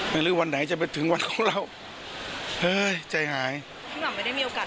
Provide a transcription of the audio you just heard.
ไม่รู้วันไหนจะไปถึงวันของเราเฮ้ใจหายไม่ได้มีโอกาส